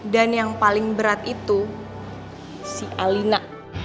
dan yang paling berat itu si alina